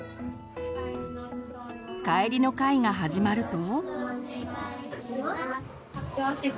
帰りの会が始まると。